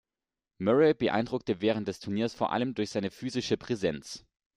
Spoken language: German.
Murray beeindruckte während des Turniers vor allem durch seine physische Präsenz.